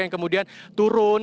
yang kemudian turun